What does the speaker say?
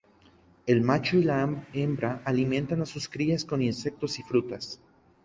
El macho y la hembra alimentan a sus crías con insectos y frutas.